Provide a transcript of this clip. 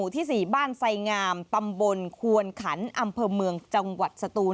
ที่๔บ้านไสงามตำบลควนขันอำเภอเมืองจังหวัดสตูน